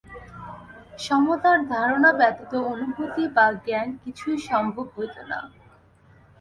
সমতার ধারণা ব্যতীত অনুভূতি বা জ্ঞান কিছুই সম্ভব হইত না।